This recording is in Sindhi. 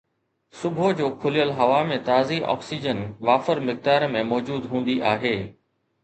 صبح جو کليل هوا ۾ تازي آڪسيجن وافر مقدار ۾ موجود هوندي آهي